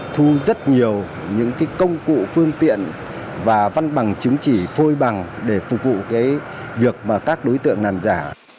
chúng tôi đã thu rất nhiều những công cụ phương tiện và văn bằng chứng chỉ phôi bằng để phục vụ việc các đối tượng làm giả